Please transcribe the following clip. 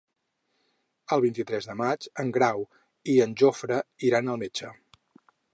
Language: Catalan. El vint-i-tres de maig en Grau i en Jofre iran al metge.